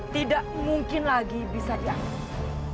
tidak mungkin lagi bisa diakses